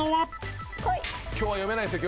今日は読めないっすよ